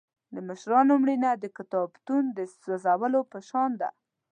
د مشرانو مړینه د کتابتون د سوځولو په شان ده.